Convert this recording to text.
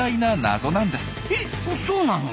えそうなの？